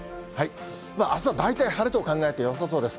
あすは大体晴れと考えてよさそうです。